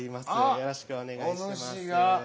よろしくお願いします。